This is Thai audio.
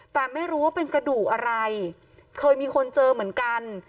แต่ไม่รู้ว่าเป็นกระดูกอะไรเคยมีคนเจอเหมือนกัน